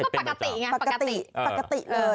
ปกติเลย